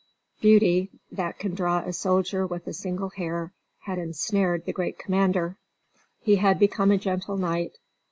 Beauty, that can draw a soldier with a single hair, had ensnared the great commander. He had become a gentle knight.